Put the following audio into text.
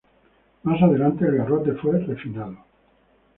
Más adelante, el garrote fue refinado.